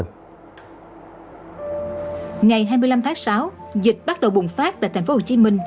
ngày hai mươi năm tháng sáu dịch bắt đầu bùng phát tại tp hcm